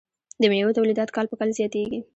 د میوو تولیدات کال په کال زیاتیږي.